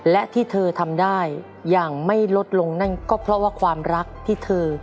และที่เธอทำได้อย่างไม่ลดลงนั่นก็เพราะว่าความรักที่เธอ